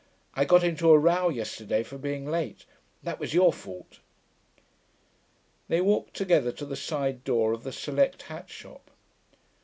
I got into a row yesterday for being late that was your fault.' They walked together to the side door of the select hat shop.